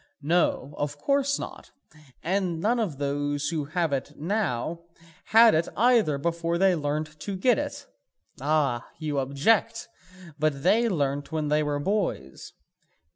No, of course not, and none of those who have it now had it either before they learnt to get it. Ah, you object, but they learnt when they were boys.